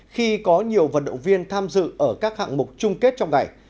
khi có nhiều vận động viên tham dự ở các hạng mục chung kết trong ngày